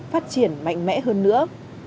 phát triển mạnh mẽ hơn nữa